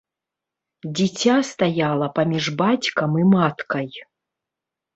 Дзіця стаяла паміж бацькам і маткай.